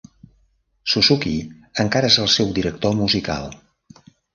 Suzuki encara és el seu director musical.